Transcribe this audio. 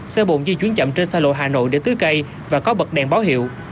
xe bồn di chuyển chậm trên xa lộ hà nội để tưới cây và có bật đèn báo hiệu